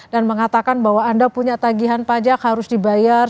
dan mengatakan bahwa anda punya tagihan pajak harus dibayar